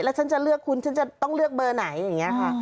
ฉันจะเลือกคุณฉันจะต้องเลือกเบอร์ไหนอย่างนี้ค่ะ